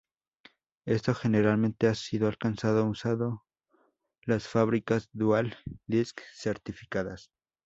Esto generalmente ha sido alcanzado usando las fábricas Dual disc certificadas.